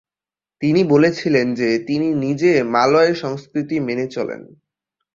তিনি বলেছিলেন যে তিনি নিজে মালয় সংস্কৃতি মেনে চলেন।